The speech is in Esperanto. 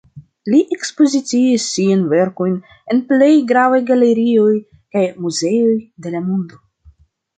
Li ekspoziciis siajn verkojn en plej gravaj galerioj kaj muzeoj de la mondo.